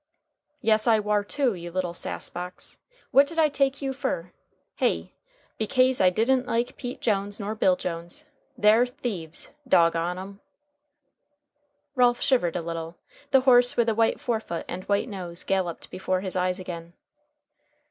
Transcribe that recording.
"Yes, I war, too, you little sass box! What did I take you fer? Hey? Bekase I didn't like Pete Jones nor Bill Jones. They're thieves, dog on 'em!" Ralph shivered a little. The horse with the white forefoot and white nose galloped before his eyes again.